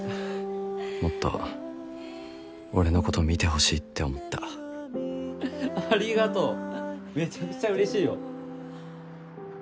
もっと俺のこと見てほしいって思ったありがとうめちゃくちゃ嬉しいよ